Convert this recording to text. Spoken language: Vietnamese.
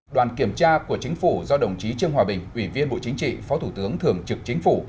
đoàn kiểm tra của chính phủ do đồng chí trương hòa bình ủy viên bộ chính trị phó thủ tướng thường trực chính phủ